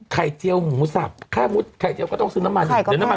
ไข่เจียวหมูซับไข่เจียวก็ต้องซื้อน้ำมัน